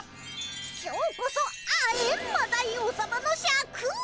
今日こそあエンマ大王さまのシャクを。